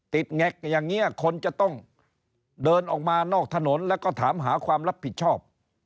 แงกอย่างนี้คนจะต้องเดินออกมานอกถนนแล้วก็ถามหาความรับผิดชอบ